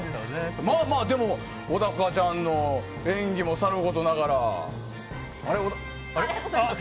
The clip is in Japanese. まあ、でも小高ちゃんの演技もさることながら。